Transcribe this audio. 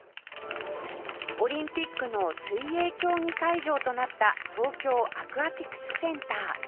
オリンピックの水泳競技会場となった東京アクアティクスセンター